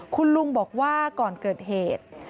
คุณลุงบอกว่าก่อนเกิดเหตุ